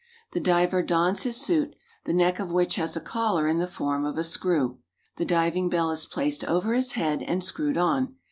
The diver dons his suit, the neck of which has a collar in the form of a screw. The diving bell is placed over his head and screwed on.